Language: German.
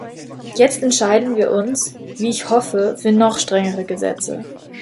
Jetzt entscheiden wir uns, wie ich hoffe, für noch strengere Gesetze.